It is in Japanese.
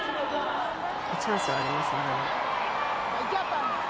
チャンスはありますね。